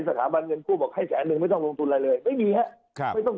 สถาบันเงินกู้บอกให้แสนนึงไม่ต้องลงทุนอะไรเลยไม่มีครับไม่ต้อง